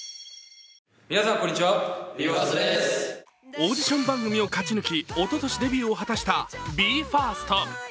オーディション番組を勝ち抜きおととしデビューを果たしたＢＥ：ＦＩＲＳＴ。